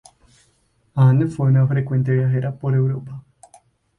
Anne fue una frecuente viajera por Europa.